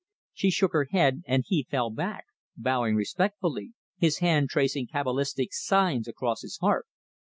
She shook her head and he fell back, bowing respectfully, his hand tracing cabalistic signs across his heart.